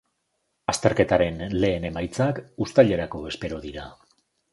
Azterketaren lehen emaitzak, uztailerako espero dira.